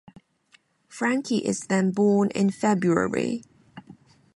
Frankie is then born in February.